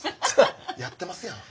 やってますやん。